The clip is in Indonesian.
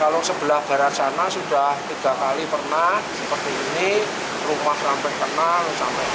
kalau sebelah barat sana sudah tiga kali pernah seperti ini rumah sampai kenal